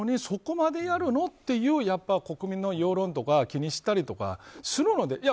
そこまでやるの？という国民の世論とかを気にしたりとかするので。